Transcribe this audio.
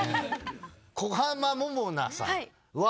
小浜桃奈さんは。